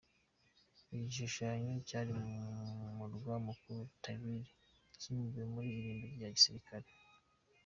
Iki gishushashanyo cyari mu murwa mukuru Tallinn cyimuriwe mu irimbi rya gisirikare.